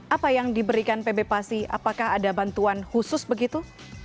apa yang diberikan pb pasi apakah ada bantuan khusus begitu